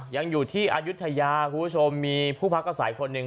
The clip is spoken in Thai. ยังอยู่ที่อายุทยาคุณผู้ชมมีผู้พักอาศัยคนหนึ่ง